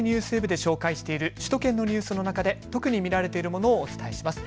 ＮＨＫＮＥＷＳＷＥＢで紹介している首都圏のニュースの中で特に見られているものをお伝えします。